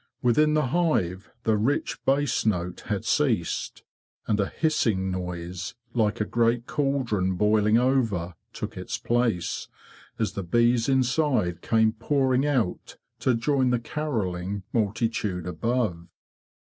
Within the hive the rich bass note had ceased; and a hissing noise, like a great caldron boiling over, took its place, as the bees inside came pouring out to join the carolling multitude above.